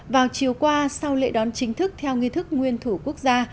vào chiều qua sau lễ đón chính thức theo nghi thức nguyên thủ quốc gia